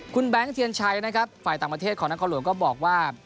คุณแบงค์เทียนชัยนะครับฝ่ายต่างประเทศของนครหลวงก็บอกว่า